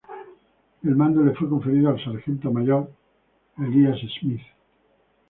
El mando le fue conferido al sargento mayor Elías Smith.